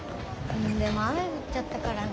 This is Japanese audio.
でも雨ふっちゃったからね。